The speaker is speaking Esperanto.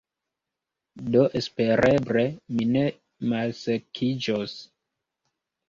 Do espereble mi ne malsekiĝos